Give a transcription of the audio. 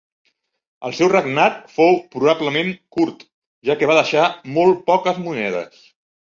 El seu regnat fou probablement curt, ja que va deixar molt poques monedes.